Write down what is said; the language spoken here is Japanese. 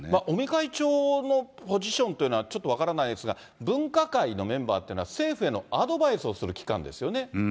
尾身会長のポジションというのは、ちょっと分からないですが、分科会のメンバーというのは、政府へのアドバイスをする機関ですよね。